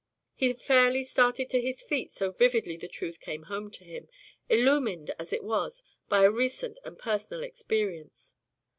He fairly started to his feet so vividly the truth came home to him, illumined, as it was, by a recent and personal experience.